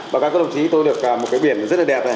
và các đồng chí tôi được một cái biệt rất là đẹp